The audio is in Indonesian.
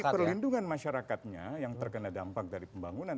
perlindungan masyarakatnya yang terkena dampak dari pembangunan